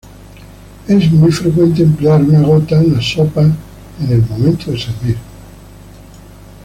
Es muy frecuente emplear una gota en las sopas en el momento de servir.